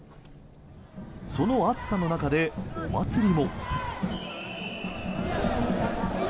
その暑さの中でお祭りも。